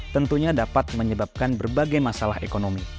tentunya dapat menyebabkan berbagai masalah ekonomi